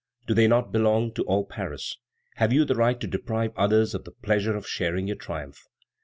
Do they not belong to all Paris? Have you the right to deprive others of the pleasure of sharing your triumph?